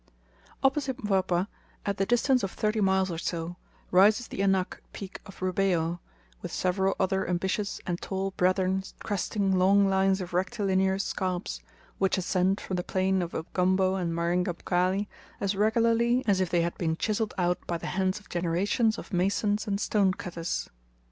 Opposite Mpwapwa, at the distance of thirty miles or so, rises the Anak peak of Rubeho, with several other ambitious and tall brethren cresting long lines of rectilinear scarps, which ascend from the plain of Ugombo and Marenga Mkali as regularly as if they had been chiselled out by the hands of generations of masons and stonecutters.